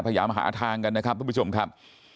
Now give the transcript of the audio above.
พยายามหาทางกันนะครับทุกผู้ชมครับ